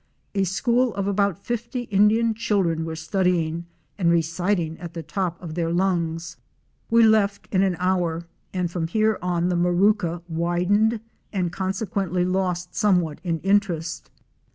A school of about fifty Indian children were studying and reciting at the top of their lungs. We left in an hour and from here on the Marooka widened and consequently lost somewhat in interest.